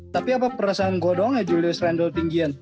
tapi apa perasaan gue doang ya julius randle tinggi kan